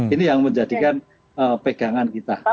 ini yang menjadikan pegangan kita